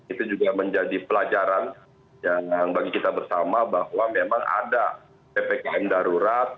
itu juga menjadi pelajaran yang bagi kita bersama bahwa memang ada ppkm darurat